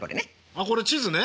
あこれ地図ね。